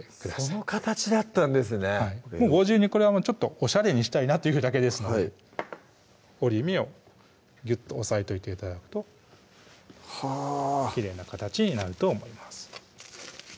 その形だったんですねご自由にこれはちょっとおしゃれにしたいなというだけですので折り目をギュッと押さえといて頂くとはぁきれいな形になると思います